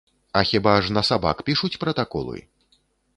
А хіба ж на сабак пішуць пратаколы?